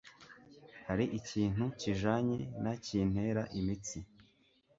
Hariho ikintu kijanye na kintera imitsi.